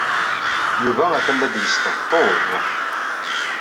Yuba atan la d-yesṭebṭub.